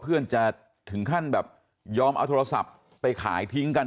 เพื่อนจะถึงขั้นแบบยอมเอาโทรศัพท์ไปขายทิ้งกัน